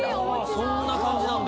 そんな感じなんだ。